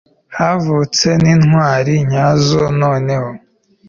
havutse n'intwari nyazo noneho